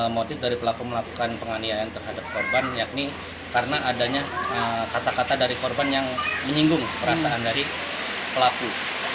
motif dari pelaku melakukan penganiayaan terhadap korban yakni karena adanya kata kata dari korban yang menyinggung perasaan dari pelaku